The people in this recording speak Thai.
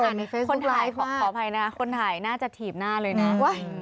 พนักอ่านในเฟซบุ๊กไลน์ขออภัยนะคนถ่ายน่าจะถีบหน้าเลยนะนะคะ